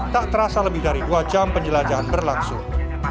tak terasa lebih dari dua jam penjelajahan berlangsung